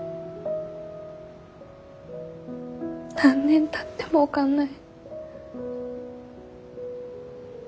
何年たっても分かんない。